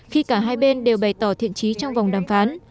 khi cả hai bên đều bày tỏ thiện trí trong vòng đàm phán